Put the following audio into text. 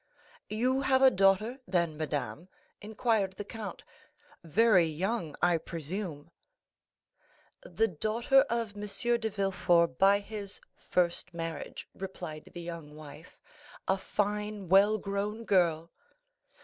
"You have a daughter, then, madame?" inquired the count; "very young, I presume?" "The daughter of M. de Villefort by his first marriage," replied the young wife, "a fine well grown girl."